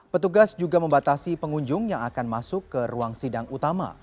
petugas juga membatasi pengunjung yang akan masuk ke ruang sidang utama